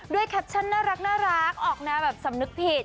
ด้วยแคปชั่นนะรักออกหน้าแบบสำนึกผิด